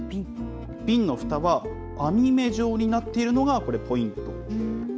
瓶のふたは網目状になっているのがこれ、ポイント。